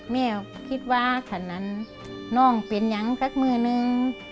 แม่คิดว่าขนาดนั้นน้องเป็นยังสักมือนึง